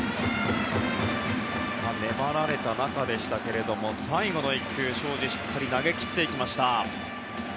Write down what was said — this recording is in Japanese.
粘られた中でしたが最後の１球、荘司しっかり投げ切っていきました。